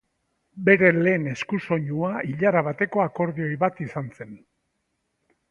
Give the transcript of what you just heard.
Bere lehen eskusoinua ilara bateko akordeoi bat izan zen.